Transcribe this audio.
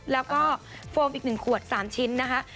แล้วก็โฟมอีก๑ขวด๓ชิ้นนะคะ